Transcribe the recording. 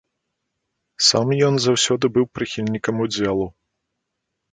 Сам ён заўсёды быў прыхільнікам удзелу.